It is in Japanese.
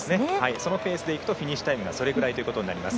そのペースでいくとフィニッシュタイムがそれぐらいになります。